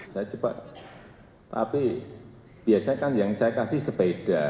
saya coba tapi biasanya kan yang saya kasih sepeda